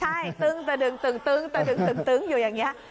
ใช่ตึ้งตึ้งตึ้งตึ้งอยู่อย่างนี้